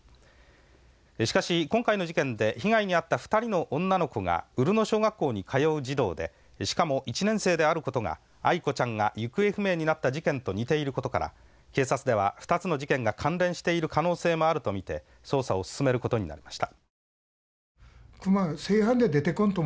しかし今回の事件で被害に遭った２人の女の子が潤野小学校に通う児童でしかも１年生であることがアイコちゃんが行方不明になった事件と似ていることから警察では２つの事件が関連している可能性もあるとみて捜査を進めることになりました。